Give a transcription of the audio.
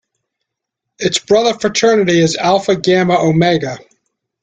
Its brother fraternity is Alpha Gamma Omega.